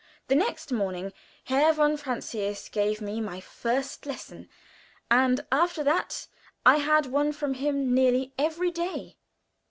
The next morning Herr von Francius gave me my first lesson, and after that I had one from him nearly every day.